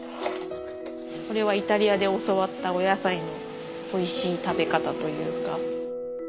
これはイタリアで教わったお野菜のおいしい食べ方というか。